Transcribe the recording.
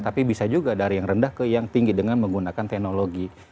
tapi bisa juga dari yang rendah ke yang tinggi dengan menggunakan teknologi